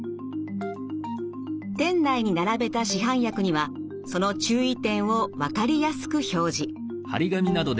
店内に並べた市販薬にはその注意点を分かりやすく表示。